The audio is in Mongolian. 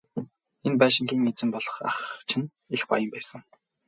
Энэ байшингийн эзэн болох ах чинь их баян байсан.